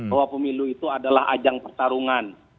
bahwa pemilu itu adalah ajang pertarungan